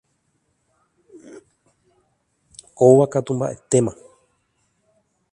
Kóva katu mbaʼetéma.